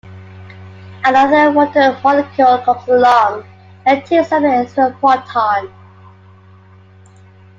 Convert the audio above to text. Another water molecule comes along and takes up the extra proton.